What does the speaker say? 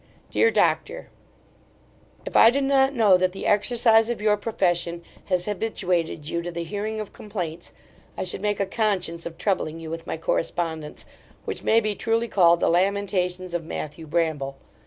DEAR DOCTOR, If I did not know that the exercise of your profession has habituated you to the hearing of complaints, I should make a conscience of troubling you with my correspondence, which may be truly called the lamentations of Matthew Bramble.